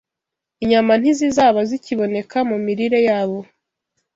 inyama ntizizaba zikiboneka mu mirire yabo